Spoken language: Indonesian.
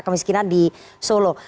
kemiskinan di solo